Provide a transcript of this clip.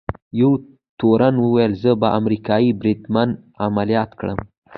یوه تورن وویل: زه به امریکايي بریدمن عملیات کړم.